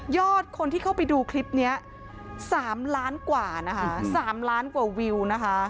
อดคนที่เข้าไปดูคลิปนี้๓ล้านกว่านะคะ๓ล้านกว่าวิวนะคะ